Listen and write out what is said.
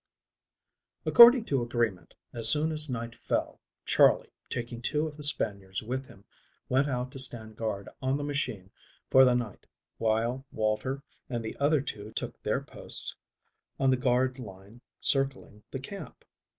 ACCORDING to agreement, as soon as night fell, Charley, taking two of the Spaniards with him, went out to stand guard on the machine for the night, while Walter and the other two took their posts on the guard line circling the camp.